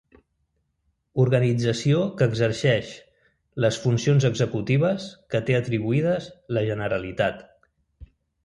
Organització que exerceix les funcions executives que té atribuïdes la Generalitat.